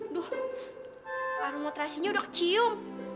aduh aromotrasinya udah kecium